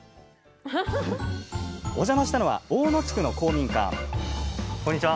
お邪魔したのは大野地区の公民館こんにちは。